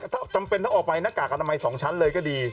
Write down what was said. ถ้าจำเป็นถ้าออกไป